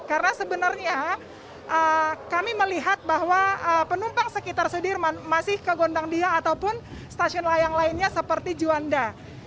karena sebenarnya kami melihat bahwa penumpang sekitar sudirman masih ke gondang dia ataupun stasiun lainnya seperti juanda